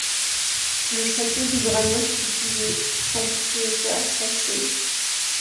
Le château du Granec fut pillé, son propriétaire chassé.